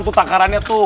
tuh tangkarannya tuh